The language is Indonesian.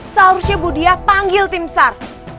seharusnya bu dia panggil timsar